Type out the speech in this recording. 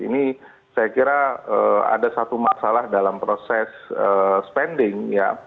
ini saya kira ada satu masalah dalam proses spending ya